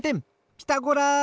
ピタゴラ！